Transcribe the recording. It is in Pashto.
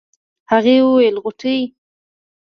هغې وويل غوټۍ.